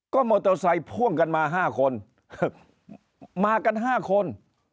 ก็มอเตอร์ไซค์พ่วงกันมา๕คนมากัน๕คน